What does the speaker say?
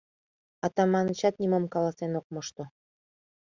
Атаманычат нимом каласен ок мошто.